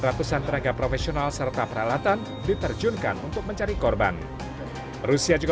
ratusan tenaga profesional serta peralatan diterjunkan untuk mencari korban rusia juga